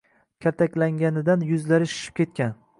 Kaltaklanganidan yuzlari shishib ketgan.